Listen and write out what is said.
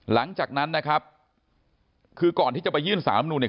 หลังจากนั้นนะครับคือก่อนที่จะไปยื่นสามนุนเนี่ย